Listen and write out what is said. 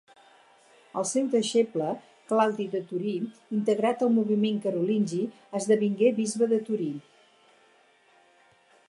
El seu deixeble Claudi de Torí, integrat al moviment carolingi, esdevingué bisbe de Torí.